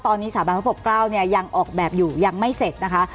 ตอนนี้สถาบันพระปกเกล้าเนี่ยยังออกแบบอยู่ยังไม่เสร็จนะคะ